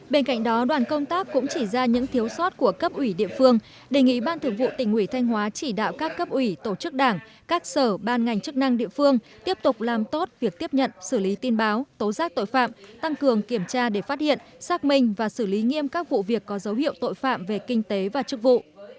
bên cạnh đó đoàn công tác cũng chỉ ra những thiếu sót của cấp ủy địa phương đề nghị ban thường vụ tỉnh ủy thanh hóa chỉ đạo các cấp ủy tổ chức đảng các sở ban ngành chức năng địa phương tiếp tục làm tốt việc tiếp nhận xử lý tin báo tố giác tội phạm tăng cường kiểm tra để phát hiện xác minh và xử lý nghiêm các vụ việc có dấu hiệu tội phạm về kinh tế và chức vụ